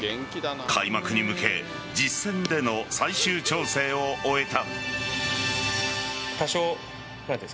開幕に向け実戦での最終調整を終えた。